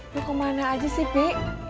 lu kemana aja sih pi